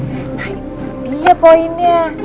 nah ini dia poinnya